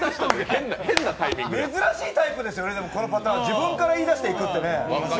珍しいタイプですよね、このパターン、自分から言い出して行くっていう。